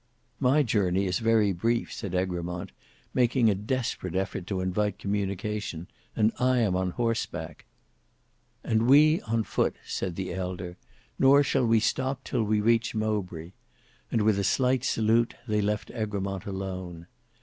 "My journey is very brief," said Egremont, making a desperate effort to invite communication; "and I am on horseback!" "And we on foot," said the elder; "nor shall we stop till we reach Mowbray;" and with a slight salute, they left Egremont alone.